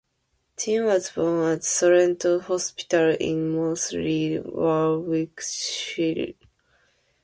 Chinn was born at Sorrento Hospital in Moseley, Warwickshire.